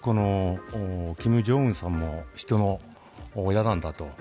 金正恩さんも人の親なんだと。